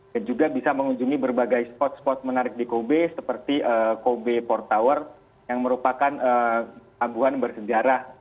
dan juga bisa mengunjungi berbagai spot spot menarik di kobe seperti kobe port tower yang merupakan abuhan bersejarah